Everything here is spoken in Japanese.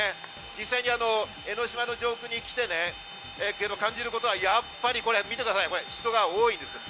実際に江の島の上空に来て感じることは、やっぱりこれ、見てください、人が多いです。